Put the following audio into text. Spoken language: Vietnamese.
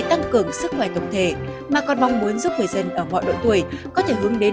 tăng cường sức khỏe tổng thể mà còn mong muốn giúp người dân ở mọi độ tuổi có thể hướng đến